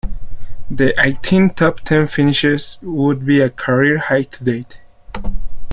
The eighteen top ten finishes would be a career high to date.